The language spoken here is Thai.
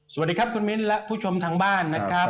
สวัสดีครับคุณมิ้นและผู้ชมทางบ้านนะครับ